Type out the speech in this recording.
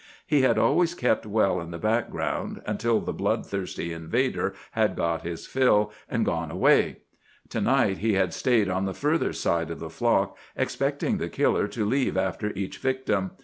He had always kept well in the background until the bloodthirsty invader had got his fill, and gone away. To night he had stayed on the further side of the flock, expecting the killer to leave after each victim.